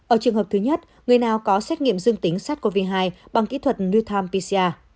ở trường hợp thứ nhất người nào có xét nghiệm dương tính sắc covid một mươi chín bằng kỹ thuật neutron pcr